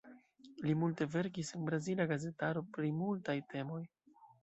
Li multe verkis en brazila gazetaro pri multaj temoj.